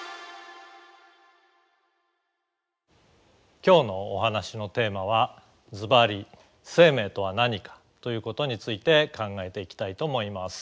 今日のお話のテーマはずばり「生命とは何か」ということについて考えていきたいと思います。